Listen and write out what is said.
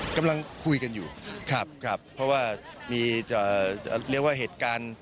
กำลังคุยกันอยู่ครับครับเพราะว่ามีจะเรียกว่าเหตุการณ์